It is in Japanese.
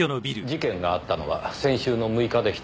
事件があったのは先週の６日でしたねえ。